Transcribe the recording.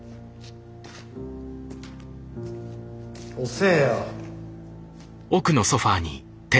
遅えよ。